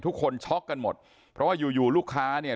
ทุกคนช็อกกันหมดเพราะว่าอยู่ลูกค้าเนี่ย